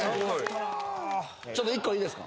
ちょっと１個いいですか？